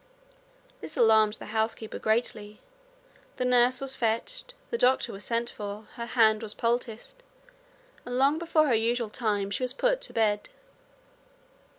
This alarmed the housekeeper greatly. The nurse was fetched; the doctor was sent for; her hand was poulticed, and long before her usual time she was put to bed.